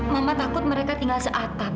mama takut mereka tinggal seatap